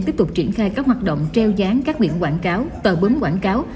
tiếp tục triển khai các hoạt động treo dáng các biển quảng cáo tờ bấm quảng cáo